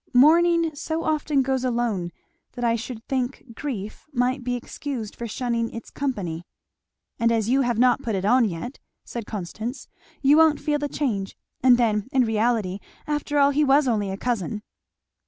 Mourning so often goes alone, that I should think grief might be excused for shunning its company." "And as you have not put it on yet," said Constance, "you won't feel the change. And then in reality after all he was only a cousin."